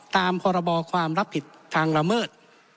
ตามพรบความรับผิดทางละเมิด